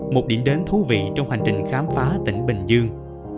một điểm đến thú vị trong hành trình khám phá tỉnh bình dương